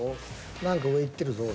何か上いってるぞ俺。